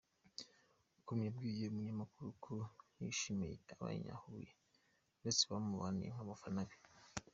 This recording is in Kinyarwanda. com yabwiye umunyamakuru ko yishimiye abanye-Huye ndetse bamubaniye nk'abafana be.